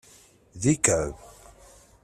D ikɛeb.